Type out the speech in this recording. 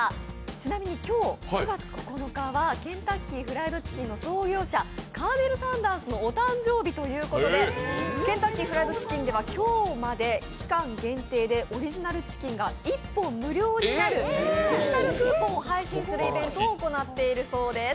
ちなみに今日９月９日はケンタッキーフライドチキンの創業者カーネル・サンダースのお誕生日ということでケンタッキーフライドチキンでは今日まで期間限定でオリジナルチキンが１本無料になるデジタルクーポンを配信するイベントをやっているそうです。